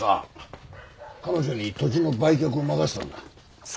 彼女に土地の売却を任せたんだ。